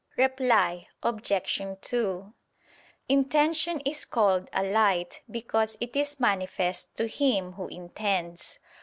Reply Obj. 2: Intention is called a light because it is manifest to him who intends.